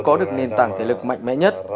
có được nền tảng thể lực mạnh mẽ nhất